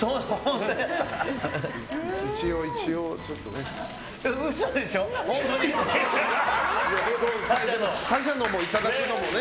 一応ちょっとね。